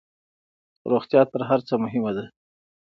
روغتيا تر هرڅه مهمه ده